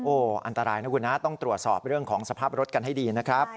อันตรายนะคุณนะต้องตรวจสอบเรื่องของสภาพรถกันให้ดีนะครับ